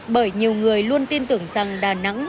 bởi nhiều người luôn tin tưởng rằng đà nẵng